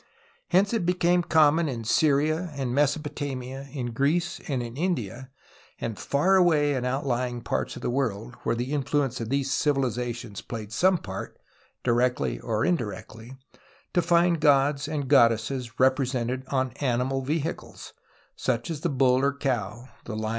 Hence it became common in Syria and Mesopotamia, in Greece and India, and far away in outlying parts of the world GETriNG TO HEAVEN 121 where the influence of these civihzations phiyed some part, directly or indirectly, to And gods and goddesses represented on animal vehicles, such as the bull or cow, the lion or Fig.